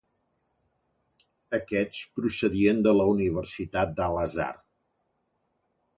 Aquests procedien de la Universitat d'Al-Azhar.